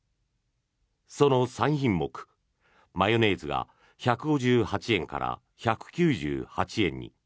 その３品目、マヨネーズが１５８円から１９８円に。